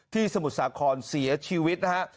สมุทรสาครเสียชีวิตนะฮะ